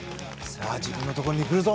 自分のところに来るぞ。